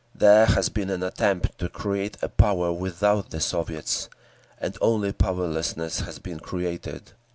"There has been an attempt to create a power without the Soviets—and only powerlessness has been created.